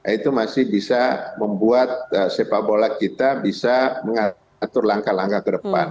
itu masih bisa membuat sepak bola kita bisa mengatur langkah langkah ke depan